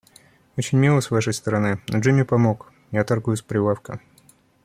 Очень мило с вашей стороны, но Джимми помог, я торгую с прилавка.